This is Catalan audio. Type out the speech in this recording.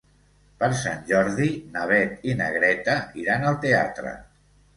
Per Sant Jordi na Beth i na Greta iran al teatre.